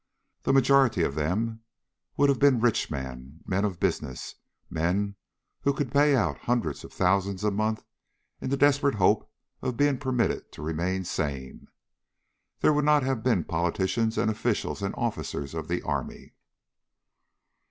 The majority of them would have been rich men, men of business, men who could pay out hundreds of thousands a month in the desperate hope of being permitted to remain sane. There would not have been politicians and officials and officers of the army.